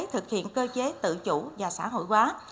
thực hiện cơ chế tự chủ và xã hội hóa